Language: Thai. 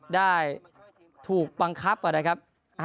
ได้ถูกบังคับนะครับ